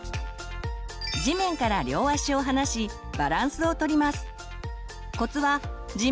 地面から両足を離しバランスをとります。